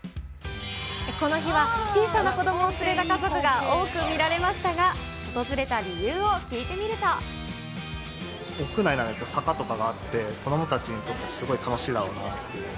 この日は、小さな子どもを連れた家族が多く見られましたが、訪れた理由を聞屋内なのに坂とかあって子どもたちにとってすごい楽しいだろうなっていう。